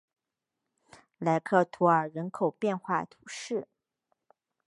莱克图尔人口变化图示